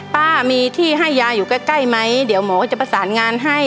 ป้ามีที่ให้ยาอยู่ใกล้ไหมเดี๋ยวหมอจะประสานงานให้